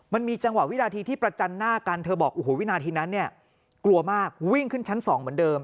มันมีจังหวะวินาทีที่ประจันหน้ากันเธอบอกโอ้โหวินาทีนั้นเนี่ยกลัวมากวิ่งขึ้นชั้น๒เหมือนเดิม